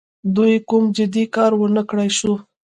دوی کوم جدي کار ونه کړای سو.